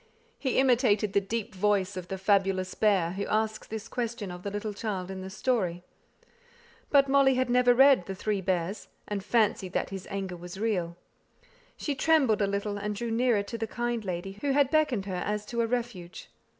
He imitated the deep voice of the fabulous bear, who asks this question of the little child in the story; but Molly had never read the "Three Bears," and fancied that his anger was real; she trembled a little, and drew nearer to the kind lady who had beckoned her as to a refuge.